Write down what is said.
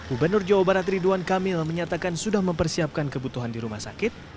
gubernur jawa barat ridwan kamil menyatakan sudah mempersiapkan kebutuhan di rumah sakit